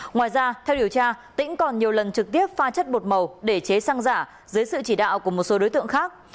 ngoài ra theo điều tra tĩnh còn nhiều lần trực tiếp pha chất bột màu để chế xăng giả dưới sự chỉ đạo của một số đối tượng khác